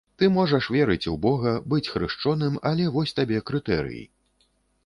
Ты можаш верыць у бога, быць хрышчоным, але вось табе крытэрый.